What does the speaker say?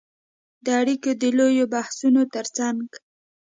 د اړیکو د لویو بحثونو ترڅنګ